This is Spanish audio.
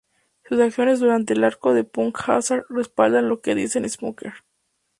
Sus acciones durante el arco de Punk Hazard respaldan lo que dice Smoker.